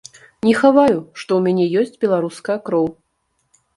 Не хаваю, што ў мяне ёсць беларуская кроў.